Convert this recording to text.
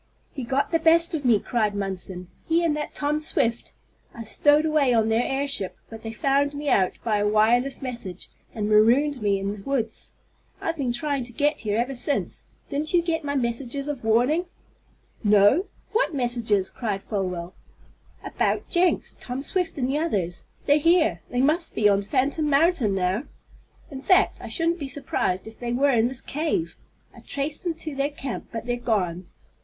"He got the best of me!" cried Munson, "he and that Tom Swift! I stowed away on their airship, but they found me out by a wireless message, and marooned me in the woods. I've been trying to get here ever since! Didn't you get my messages of warning?" "No what warnings?" cried Folwell. "About Jenks, Tom Swift and the others. They're here they must be on Phantom Mountain now. In fact, I shouldn't be surprised if they were in this cave. I traced them to their camp, but they're gone.